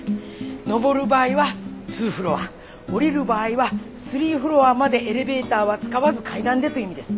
上る場合は２フロア下りる場合は３フロアまでエレベーターは使わず階段でという意味です。